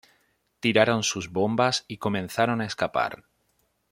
Tiraron sus bombas y comenzaron a escapar.